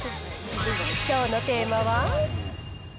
きょうのテーマは？